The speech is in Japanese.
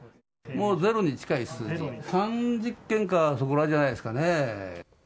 もうゼロに近い数字で、３０件か、そこらじゃないですかね。